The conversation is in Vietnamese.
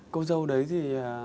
cô dâu đấy thì